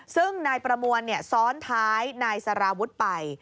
ซึ่งนายประมวลซ้อนท้ายนายสารวุฒิไป